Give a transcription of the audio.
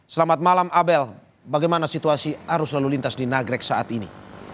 selamat malam abel bagaimana situasi arus lalu lintas di nagrek saat ini